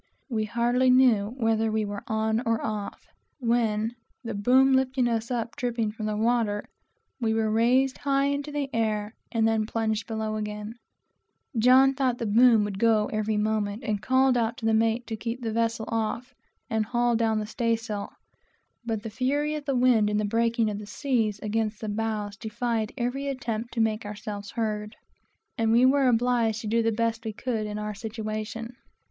We hardly knew whether we were on or off; when coming up, dripping from the water, we were raised high into the air. John (that was the sailor's name) thought the boom would go, every moment, and called out to the mate to keep the vessel off, and haul down the staysail; but the fury of the wind and the breaking of the seas against the bows defied every attempt to make ourselves heard, and we were obliged to do the best we could in our situation.